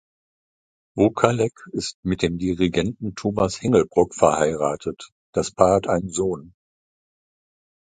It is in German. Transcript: Wokalek ist mit dem Dirigenten Thomas Hengelbrock verheiratet, das Paar hat einen Sohn.